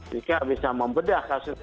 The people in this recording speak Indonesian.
jika bisa membedah